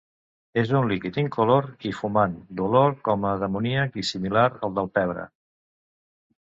És un líquid incolor i fumant d'olor com d'amoníac i similar al del pebre.